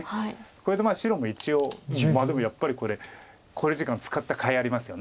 これで白も一応まあでもやっぱりこれ考慮時間使ったかいありますよね。